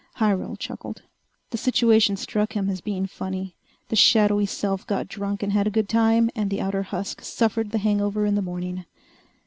Hyrel chuckled. The situation struck him as being funny: the shadowy self got drunk and had a good time, and the outer husk suffered the hangover in the morning.